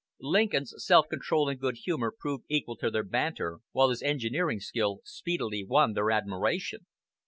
Lincoln's self control and good humor proved equal to their banter, while his engineering skill speedily won their admiration.